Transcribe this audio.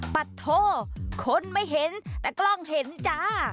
ปัดโทคนไม่เห็นแต่กล้องเห็นจ้า